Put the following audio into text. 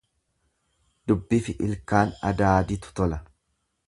Dubbifi ilkaan adaaditu tola.